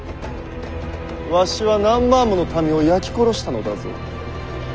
わしは何万もの民を焼き殺したのだぞ。